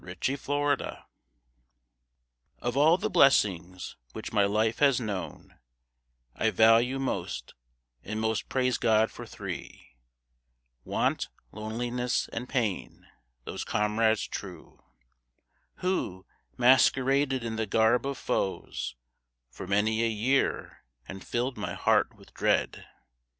=Three Friends= Of all the blessings which my life has known, I value most, and most praise God for three: Want, Loneliness and Pain, those comrades true, Who, masqueraded in the garb of foes For many a year, and filled my heart with dread.